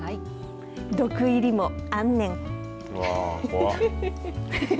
毒入りもあんねん。